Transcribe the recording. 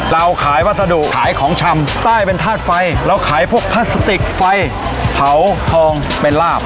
เราขายวัสดุขายของชำใต้เป็นธาตุไฟเราขายพวกพลาสติกไฟเผาทองเป็นลาบ